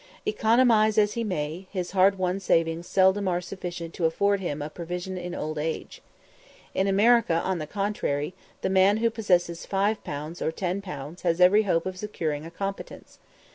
Economise as he may, his hard won savings seldom are sufficient to afford him a provision in old age. In America, on the contrary, the man who possesses 5_l._ or 10_l._ has every hope of securing a competence.